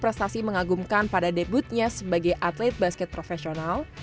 prastawa masih mengagumkan pada debutnya sebagai atlet basket profesional